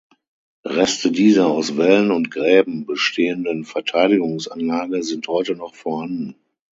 Reste dieser aus Wällen und Gräben bestehenden Verteidigungsanlage sind heute noch vorhanden.